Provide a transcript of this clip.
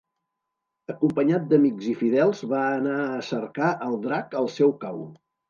Acompanyat d'amics i fidels va anar a cercar el drac al seu cau.